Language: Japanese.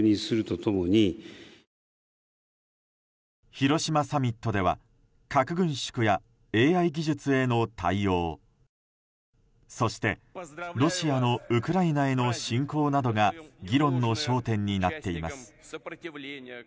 広島サミットでは核軍縮やＡＩ技術への対応そして、ロシアのウクライナへの侵攻などが議論の焦点になっています。